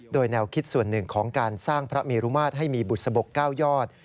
โดยแนวคิดส่วนหนึ่งของการสร้างพระเมรุมาตรให้มีบุษบก๙ยอด